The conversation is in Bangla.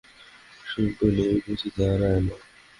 শৈল কহিল, ঐ বুঝি তারা এল।